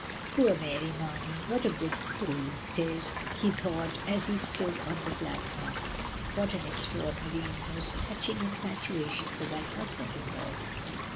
Poor Mary Marney, what a good soul it is! he thought as he stood on the plat form. What an extraordinary and most touching infatuation for that husband of hers